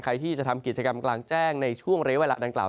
ใครที่จะทำกิจกรรมกลางแจ้งในช่วงเลเวลา